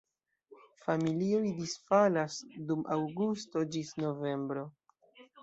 Familioj disfalas dum aŭgusto ĝis novembro.